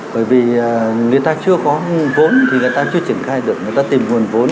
bởi vì người ta chưa có vốn thì người ta chưa triển khai được người ta tìm nguồn vốn